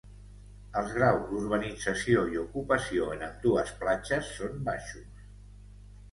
Els graus d'urbanització i ocupació en ambdues platges són baixos.